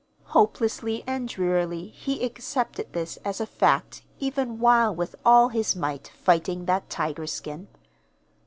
Hopelessly and drearily he accepted this as a fact even while with all his might fighting that tiger skin.